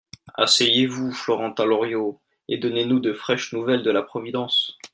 Asseyez-vous, Florentin Loriot, et donnez-nous de fraîches nouvelles de la Providence.